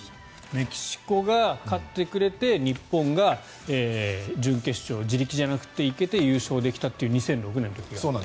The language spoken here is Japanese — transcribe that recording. メキシコが勝ってくれて日本が準決勝、自力じゃなくて行けて優勝できたという２００６年の時があった。